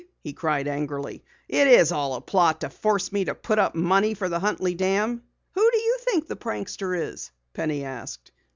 he cried angrily. "It's all a plot to force me to put up money for the Huntley Dam!" "Who do you think the prankster is?" Penny asked.